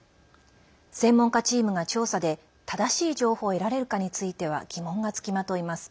専門家チームが調査で正しい情報を得られるかについては疑問が付きまといます。